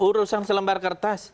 itu urusan selembar kertas